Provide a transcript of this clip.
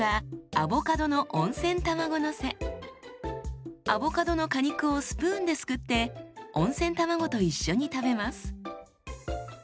アボカドの果肉をスプーンですくって温泉卵と一緒に食べます。